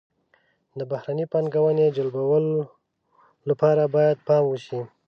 د بهرنۍ پانګونې جلبولو لپاره باید پام وشي.